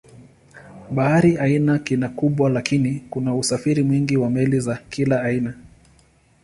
Bahari haina kina kubwa lakini kuna usafiri mwingi wa meli za kila aina.